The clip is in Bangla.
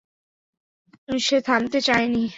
সে থামতে চায় নি।